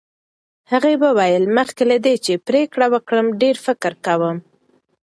هغې وویل، مخکې له دې چې پرېکړه وکړم ډېر فکر کوم.